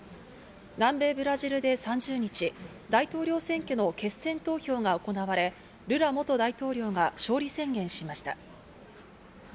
南米ブラジルで３０日、大統領選挙の決選投票が行われ、ルラ元大統領が勝利宣言しました。